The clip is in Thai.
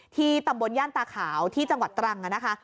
ตำบลย่านตาขาวที่จังหวัดตรังนะคะ